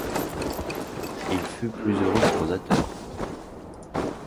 Il fut plus heureux prosateur.